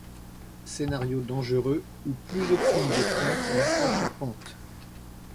Scénario dangereux où plus aucune des pointes n'accroche la pente.